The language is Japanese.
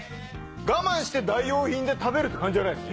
我慢して代用品で食べるって感じじゃないです。